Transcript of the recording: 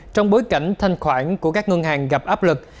trong bối cảnh thanh khoản của các ngân hàng gặp áp lực